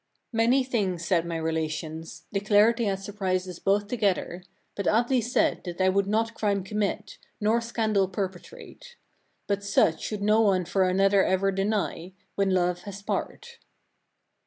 24. Many things said my relations; declared they had surprised us both together; but Atli said, that I would not crime commit, nor scandal perpetrate. But such should no one for another ever deny, when love has part.